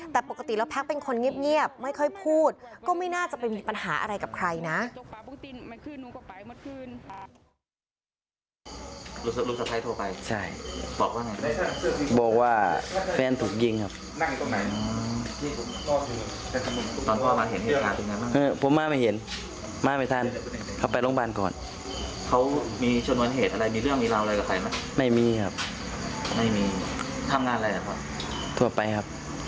แต่ปกติแล้วแพ็คเป็นคนเงียบไม่ค่อยพูดก็ไม่น่าจะไปมีปัญหาอะไรกับใครนะ